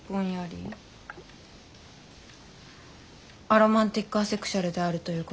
アロマンティック・アセクシュアルであるということですか？